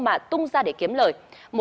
mà tung ra để kiếm lời